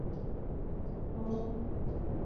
爱知县出身。